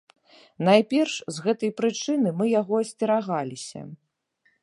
Найперш, з гэтай прычыны мы яго асцерагаліся.